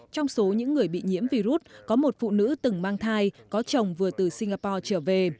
trong số những người bị nhiễm virus có một phụ nữ từng mang thai có chồng vừa từ singapore trở về